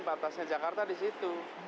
batasnya jakarta di situ